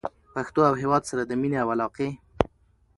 پښتو او هېواد سره د مینې او علاقې